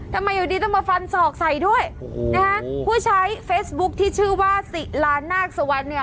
อยู่ดีต้องมาฟันศอกใส่ด้วยโอ้โหนะฮะผู้ใช้เฟซบุ๊คที่ชื่อว่าศิลานาคสวรรค์เนี่ย